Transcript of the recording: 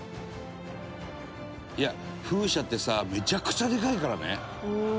「いや風車ってさめちゃくちゃでかいからね